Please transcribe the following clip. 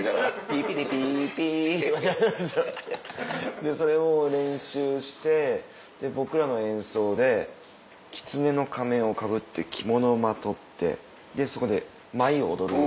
ピピリピピそれを練習して僕らの演奏できつねの仮面をかぶって着物をまとってそこで舞を踊る。